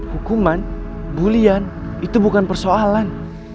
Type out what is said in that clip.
hukuman bulian itu bukan persoalan